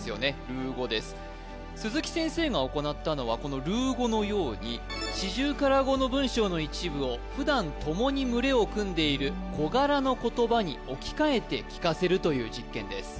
ルー語です鈴木先生が行ったのはこのルー語のようにシジュウカラ語の文章の一部を普段共に群れを組んでいるコガラの言葉に置き換えて聞かせるという実験です